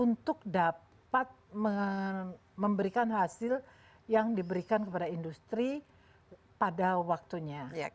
untuk dapat memberikan hasil yang diberikan kepada industri pada waktunya